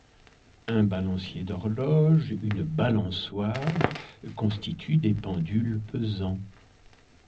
Un balancier d'horloge, une balançoire constituent des pendules pesants.